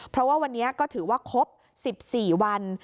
เพราะว่าวันนี้ก็ถือว่าครบ๑๔วัน